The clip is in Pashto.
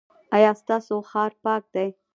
ایا ستاسو ښار پاک دی؟